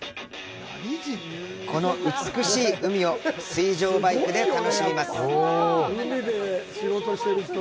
この美しい海を水上バイクで楽しみます！